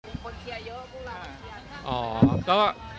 คนเชียร์เยอะพวกเราเชียร์